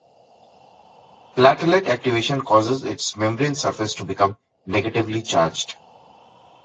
Platelet activation causes its membrane surface to become negatively charged.